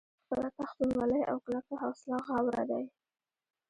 پۀ خپله پښتونولۍ او کلکه حوصله غاوره دے ۔